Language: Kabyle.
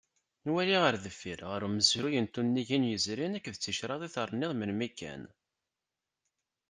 Wali ɣer deffir, ɣer umezruy n tunigin yezrin akked ticraḍ i terniḍ melmi kan.